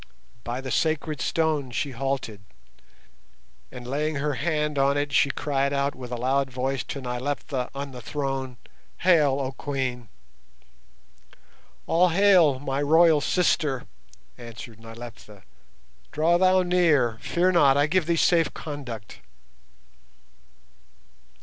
By the sacred stone she halted, and laying her hand on it, she cried out with a loud voice to Nyleptha on the throne, "Hail, oh Queen!" "All hail, my royal sister!" answered Nyleptha. "Draw thou near. Fear not, I give thee safe conduct."